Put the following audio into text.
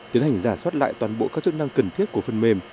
tiến hành giả soát lại toàn bộ các chức năng cần thiết của phần mềm